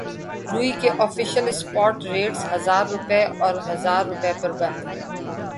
روئی کے official spot rates ہزار روپے اور ہزار روپے پر بند